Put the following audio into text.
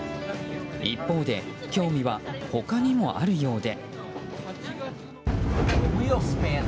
一方で興味は他にもあるようで。